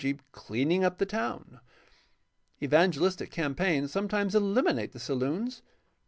g., ''cleaning up the town." Evangelistic campaigns some times eliminate the saloons.